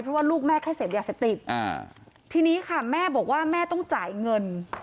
เพราะว่าลูกแม่แค่เสพยาเสพติดอ่าทีนี้ค่ะแม่บอกว่าแม่ต้องจ่ายเงิน